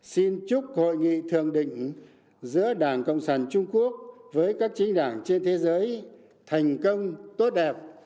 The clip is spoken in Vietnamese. xin chúc hội nghị thường định giữa đảng cộng sản trung quốc với các chính đảng trên thế giới thành công tốt đẹp